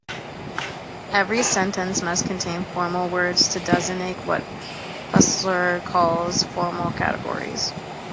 Every sentence must contain formal words to designate what Husserl calls "formal categories".